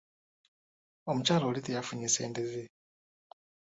Omukyala oli teyafunye ssente ze.